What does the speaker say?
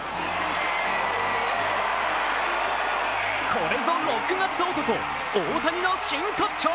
これぞ６月男・大谷の真骨頂。